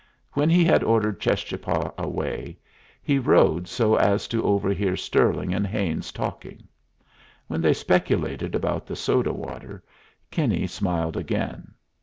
When he had ordered Cheschapah away, he rode so as to overhear Stirling and Haines talking. When they speculated about the soda water, Kinney smiled again.